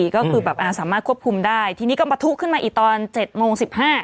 ก็คือแบบสามารถควบคุมได้ทีนี้ก็ประทุขึ้นมาอีกตอน๗โมง๑๕